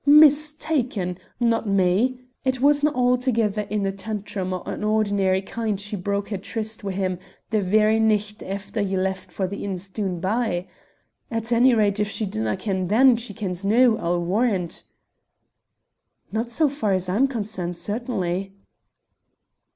"Mistaken! No me! It wasna a' thegither in a tantrum o' an ordinar' kind she broke her tryst wi' him the very nicht efter ye left for the inns doon by. At onyrate, if she didna' ken then she kens noo, I'll warrant." "Not so far as I am concerned, certainly."